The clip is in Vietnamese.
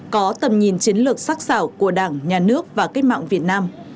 có tầm nhìn chiến lược sắc xảo của đảng nhà nước và cách mạng việt nam